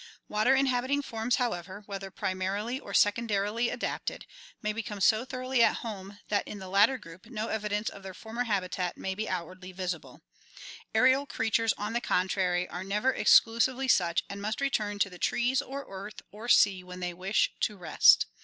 Water inhabiting forms, however, whether primarily or secondarily adapted, may become so thoroughly at home that in the latter group no evidence of their former habitat may be out wardly visible. Aerial creatures, on the contrary, are never ex clusively such and must return to the trees or earth or sea when they wish to rest.